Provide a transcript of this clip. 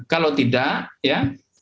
kalau tidak ya